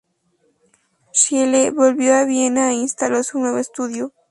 Schiele volvió a Viena e instaló su nuevo estudio.